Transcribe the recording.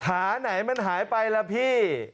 หาไหนมันหายไปล่ะพี่